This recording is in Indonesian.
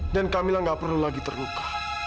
dan kamila gak perlu lagi terluka